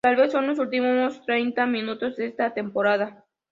Tal vez son los últimos treinta minutos de esta temporada.